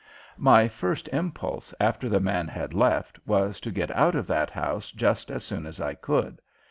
My first impulse, after the man had left, was to get out of that house just as soon as I could.